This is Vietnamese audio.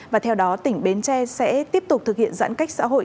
và theo đó tỉnh bến tre sẽ tiếp tục thực hiện giãn cách xã hội